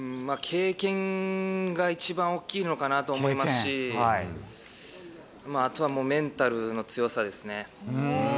経験が一番大きいのかなと思いますし、あとはもうメンタルの強さですね。